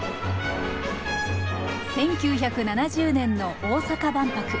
１９７０年の大阪万博。